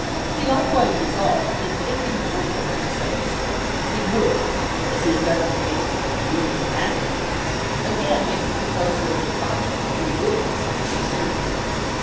He likewise resolved that if he were forced to such a step, he would, as he had done in the case of both Greeley and Jaquess, again make the proposer of the project the witness of its absurdity.